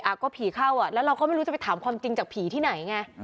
ก็ผีเข้าอ่ะแล้วเราก็ไม่รู้จะไปถามความจริงจากผีที่ไหนไง